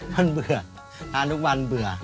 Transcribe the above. มันเบื่อทานทุกวันเบื่อ